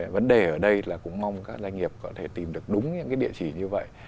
vấn đề ở đây là cũng mong các doanh nghiệp có thể tìm được đúng những địa chỉ như vậy